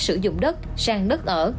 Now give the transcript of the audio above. sử dụng đất sang đất ở